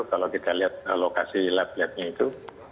kalau kita lihat lokasi lab labnya itu